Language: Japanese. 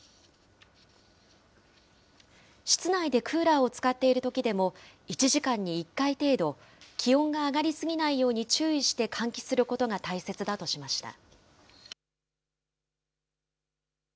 室内でクーラーを使っているときでも、１時間に１回程度、気温が上がり過ぎないように注意して換気することが大切だとしました。